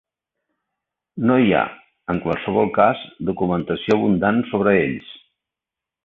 No hi ha, en qualsevol cas, documentació abundant sobre ells.